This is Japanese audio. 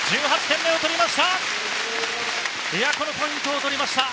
１８点目を取りました！